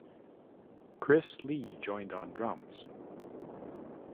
Chris Lee joined on drums.